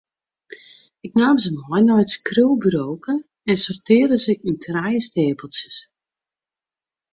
Ik naam se mei nei it skriuwburoke en sortearre se yn trije steapeltsjes.